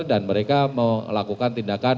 dan mereka melakukan tindakan